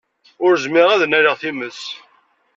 Ur zmireɣ ad nnaleɣ times.